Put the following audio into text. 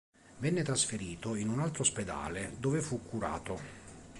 Venne trasferito in un altro ospedale, dove fu curato.